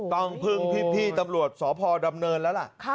ต้องพึ่งพี่ตำรวจสพดำเนินแล้วล่ะ